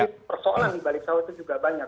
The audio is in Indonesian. jadi persoalan di balik sawit itu juga banyak